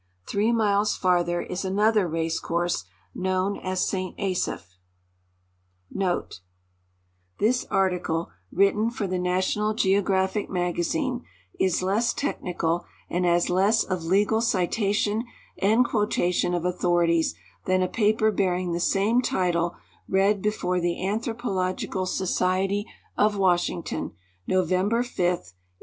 Three miles farther is another race course, known as St. Asaph. A good part of the racing in sight ♦ This ai tide, written for The National GEOCRArHic Magazine, is less technical and has less of legal citation and quotation of authorities than a paper bearing the same title read before the Anthropological Society of Washington, November 5, 1895.